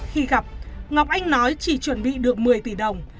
khi gặp ngọc anh nói chỉ chuẩn bị được một mươi tỷ đồng